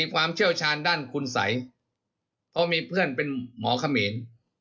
เพราะมีเพื่อนเป็นหมอเขมีน